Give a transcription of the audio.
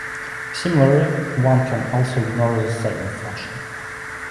Similarly, one can also ignore the ceiling function.